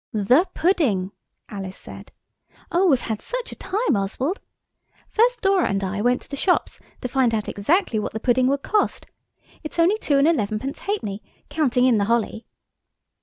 "The pudding," Alice said. "Oh, we've had such a time, Oswald! First Dora and I went to the shops to find out exactly what the pudding would cost–it's only two and elevenpence halfpenny, counting in the holly."